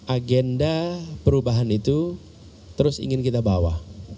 agenda perubahan itu terus ingin kita bawa